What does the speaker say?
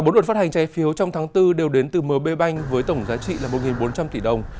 cả bốn đợt phát hành trái phiếu trong tháng bốn đều đến từ mb banh với tổng giá trị một bốn trăm linh tỷ đồng